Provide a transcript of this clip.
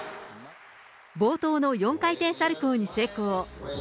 冒頭の４回転サルコーに成功。